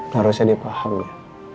harusnya dia paham ya